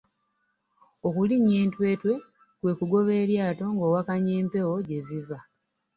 Okulinnya entwetwe kwe kugoba eryato ng’owakanya empewo gye ziva.